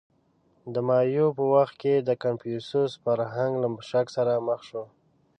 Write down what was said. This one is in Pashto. • د مایو په وخت کې د کنفوسیوس فرهنګ له شک سره مخ شو.